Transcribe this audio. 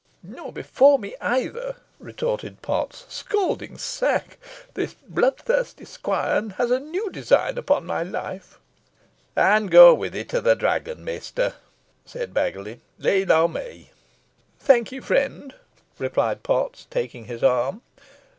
"Nor before me either," retorted Potts, "Scalding sack! This bloodthirsty squire has a new design upon my life!" "Ey'n go wi' ye to th' Dragon, mester," said Baggiley; "lean o' me." "Thanke'e friend," replied Potts, taking his arm.